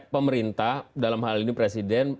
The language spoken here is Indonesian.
pemerintah dalam hal ini presiden